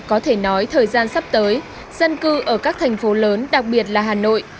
có thể nói thời gian sắp tới dân cư ở các thành phố lớn đặc biệt là hà nội